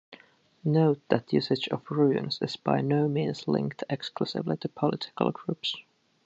Note that usage of runes is by no means linked exclusively to political groups.